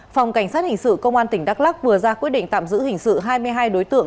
phòng cảnh sát hình sự công an tỉnh đắk lắc vừa ra quyết định tạm giữ hình sự hai mươi hai đối tượng